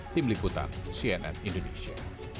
tim liputan cnn indonesia